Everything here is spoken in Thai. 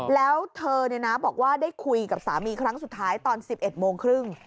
แล้วเธอเนี่ยนะบอกว่าได้คุยกับสามีครั้งสุดท้ายตอนสิบเอ็ดโมงครึ่ง